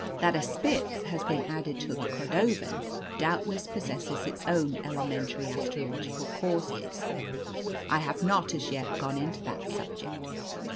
That a 'spitz' has been added to the 'Cordovan' doubtless possesses its own elementary astrological causes; I have not as yet gone into that subject.